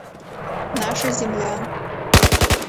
Наша земля.